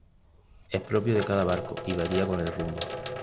Es propio de cada barco, y varía con el rumbo.